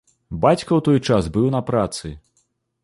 Бацька ў той час быў на працы.